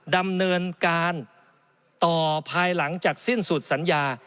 ดำเนินการต่อภายหลังจากสิ้นสุดสัญญา